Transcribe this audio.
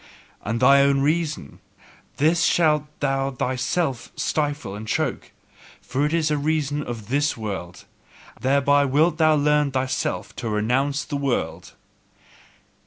"And thine own reason this shalt thou thyself stifle and choke; for it is a reason of this world, thereby wilt thou learn thyself to renounce the world."